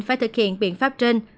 phải thực hiện biện pháp trên